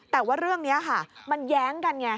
แต่ว่าเรื่องนี้ค่ะมันแย้งกันไง